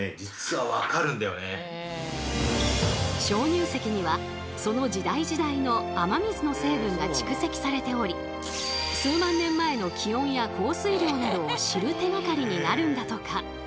鍾乳石にはその時代時代の雨水の成分が蓄積されており数万年前の気温や降水量などを知る手がかりになるんだとか。